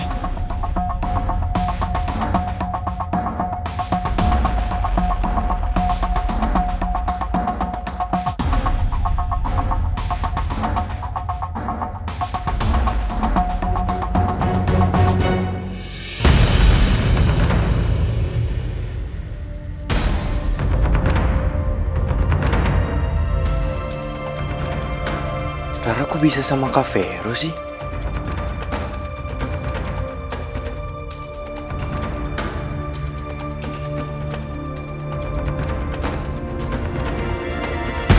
karena aku bisa sama kak fero sih